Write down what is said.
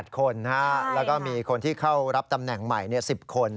๘คนแล้วก็มีคนที่เข้ารับตำแหน่งใหม่๑๐คน